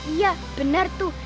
iya bener tuh